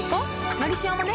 「のりしお」もね